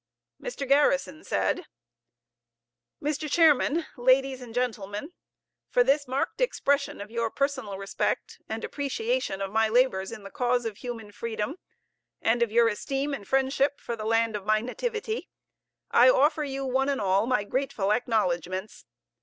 Mr. Garrison said: Mr. Chairman, Ladies and Gentlemen, For this marked expression of your personal respect, and appreciation of my labors in the cause of human freedom, and of your esteem and friendship for the land of my nativity, I offer you, one and all, my grateful acknowledgments.